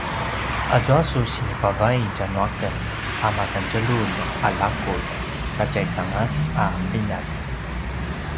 azua su sinipavai tja nu aken a masantjelulj a laqulj katjaisangas a qiljas